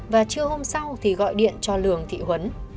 và trưa hôm sau thì gọi điện cho lường thị huấn